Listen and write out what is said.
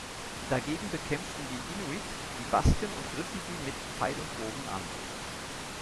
Dagegen bekämpften die Inuit die Basken und griffen sie mit Pfeil und Bogen an.